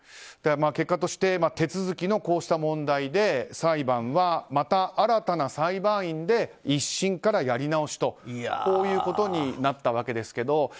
結果として手続きのこうした問題で裁判は、また新たな裁判員で１審からやり直しということになったわけですが。